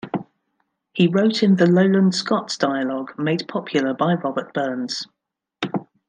He wrote in the Lowland Scots dialogue made popular by Robert Burns.